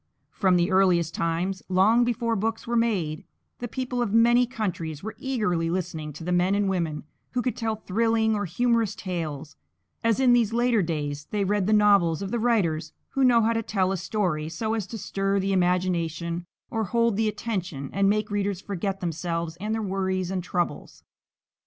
From the earliest times, long before books were made, the people of many countries were eagerly listening to the men and women who could tell thrilling or humorous tales, as in these later days they read the novels of the writers who know how to tell a story so as to stir the imagination or hold the attention and make readers forget themselves and their worries and troubles.